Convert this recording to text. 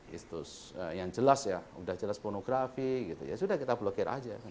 gitu yang jelas ya udah jelas pornografi gitu ya sudah kita blokir aja